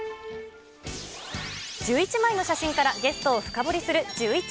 １１枚の写真から、ゲストを深掘りするジューイチ。